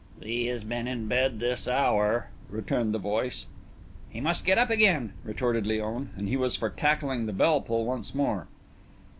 "He has been in bed this hour," returned the voice. "He must get up again," retorted Léon, and he was for tackling the bell pull once more.